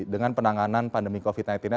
dengan penanganan pandemi covid sembilan belas nya